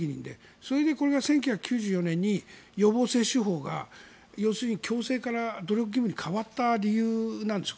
それで１９９４年に予防接種法が強制から努力義務に変わった理由なんです。